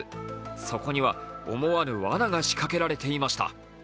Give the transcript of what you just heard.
そこには思わぬ罠が仕掛けられていました。